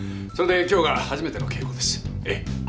それで今日が初めての稽古です。